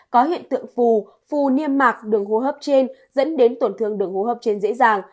có hiện tượng phù phù niêm mạc đường hô hấp trên dẫn đến tổn thương đường hô hấp trên dễ dàng